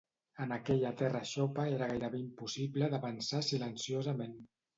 En aquella terra xopa era gairebé impossible d'avançar silenciosament.